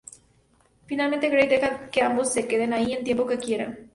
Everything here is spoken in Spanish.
Finalmente Grey deja que ambos se queden allí el tiempo que quieran.